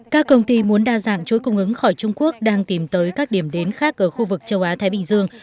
các công ty muốn đa dạng chuỗi cung ứng khỏi trung quốc đang tìm tới các điểm đến khác ở khu vực châu á thái bình dương